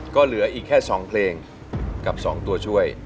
ก็เหลืออีกแค่๒เพลงกับ๒ตัวช่วย